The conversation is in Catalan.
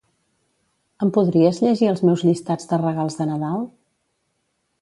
Em podries llegir els meus llistats de regals de Nadal?